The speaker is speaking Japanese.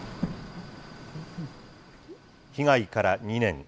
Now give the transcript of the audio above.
被害から２年。